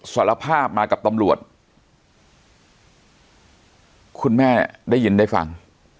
สารภาพมากับตำรวจคุณแม่เนี่ยได้ยินได้ฟัง